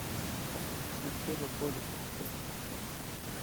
La seule difficulté repose dans son préfinancement.